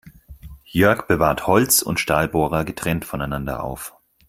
Jörg bewahrt Holz- und Stahlbohrer getrennt voneinander auf.